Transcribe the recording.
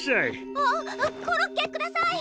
あっコロッケください！